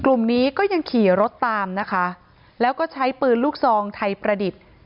กลุ่มนี้ก็ยังขี่รถตามนะคะแล้วก็ใช้ปืนลูกซองไทยประดิษฐ์